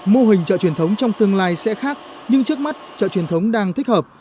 mô hình chợ truyền thống trong tương lai sẽ khác nhưng trước mắt chợ truyền thống đang thích hợp